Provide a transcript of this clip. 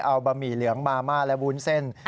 เอาบะหมี่เหลืองมาม่าและวุ้นเส้น